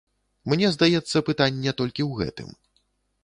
Мне здаецца, пытанне толькі ў гэтым.